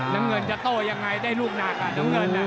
น้องเงินจะโตยังไงได้ลูกหน้ากันน้องเงินแหลม